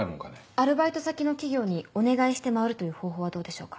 アルバイト先の企業にお願いして回るという方法はどうでしょうか？